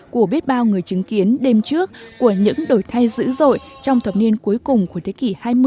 của biết bao người chứng kiến đêm trước của những đổi thay dữ dội trong thập niên cuối cùng của thế kỷ hai mươi